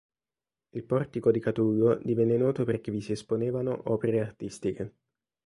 Il portico di Catulo divenne noto perché vi si esponevano opere artistiche.